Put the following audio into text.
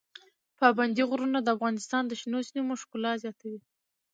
پابندي غرونه د افغانستان د شنو سیمو ښکلا زیاتوي.